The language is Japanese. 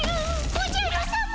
おじゃるさま！